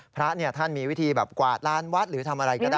พระท่านมีวิธีแบบกวาดลานวัดหรือทำอะไรก็ได้